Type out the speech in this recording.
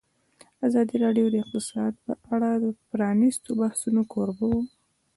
ازادي راډیو د اقتصاد په اړه د پرانیستو بحثونو کوربه وه.